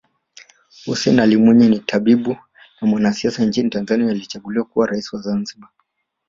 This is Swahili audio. Hussein Ali Mwinyi ni tabibu na mwanasiasa nchini Tanzania aliyechaguliwa kuwa rais wa Zanzibar